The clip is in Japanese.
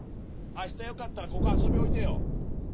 明日よかったらここ遊びにおいでよ。